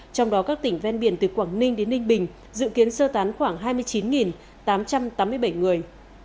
trong đó các tỉnh ven biển từ quảng ninh đến ninh bình dự kiến sơ tán khoảng hai mươi chín tám trăm tám mươi bảy người